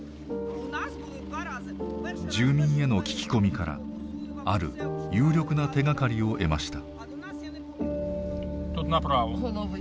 住民への聞き込みからある有力な手がかりを得ました。